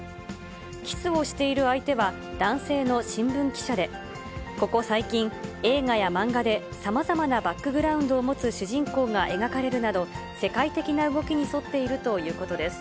キスをしている相手は、男性の新聞記者で、ここ最近、映画や漫画でさまざまなバックグラウンドを持つ主人公が描かれるなど、世界的な動きに沿っているということです。